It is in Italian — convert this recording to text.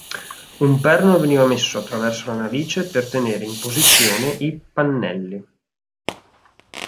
Un perno veniva messo attraverso la narice per tenere in posizione i pannelli.